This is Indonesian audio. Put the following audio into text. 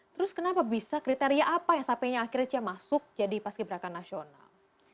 terus kenapa bisa kriteria apa yang sampai akhirnya cia masuk jadi pas ki braka nasional